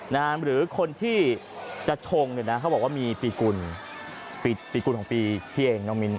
หรือคนที่จะชงเนี่ยนะเขาบอกว่ามีปีกุลปีกุลของปีที่เองน้องมิ้น